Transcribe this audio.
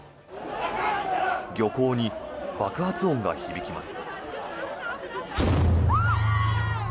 漁港に爆発音が響きます。